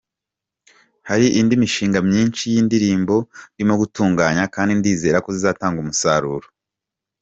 Hari indi mishinga myinshi y’indirimbo ndimo gutunganya kandi ndizera ko zizatanga umusaruro.